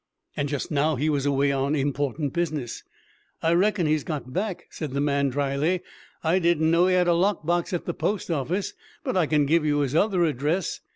And just now he was away on important business. "I reckon he's got back," said the man dryly. "I didn't know he had a lock box at the post office, but I can give you his other address.